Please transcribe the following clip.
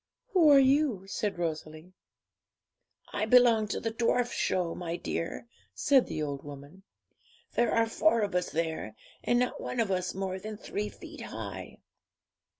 'Who are you?' said Rosalie. 'I belong to the Dwarf Show, my dear,' said the old woman. 'There are four of us there, and not one of us more than three feet high.'